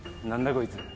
こいつ。